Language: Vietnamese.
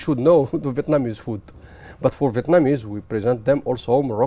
nhưng bởi vì việt nam chúng tôi cũng truyền thông báo bằng thức ăn màu